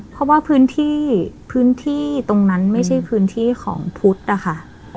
เพราะว่าพื้นที่พื้นที่ตรงนั้นไม่ใช่พื้นที่ของพุทธนะคะ